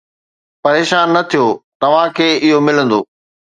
پريشان نه ٿيو توهان کي اهو ملندو